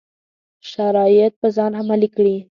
شرایط په ځان عملي کړي.